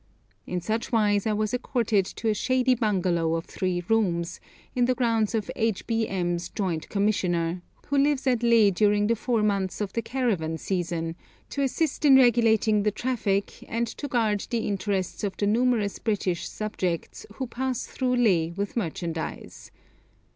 In such wise I was escorted to a shady bungalow of three rooms, in the grounds of H. B. M.'s Joint Commissioner, who lives at Leh during the four months of the 'caravan season,' to assist in regulating the traffic and to guard the interests of the numerous British subjects who pass through Leh with merchandise.